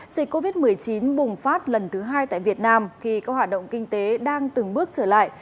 dịch covid một mươi chín bùng phát lần thứ hai tại việt nam khi các hoạt động kinh tế đang từng bước trở lại